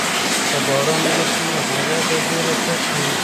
که باران وسي نو هوا به ډېره ښه سي.